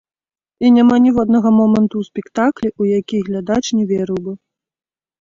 І няма ніводнага моманту ў спектаклі, у які глядач не верыў бы.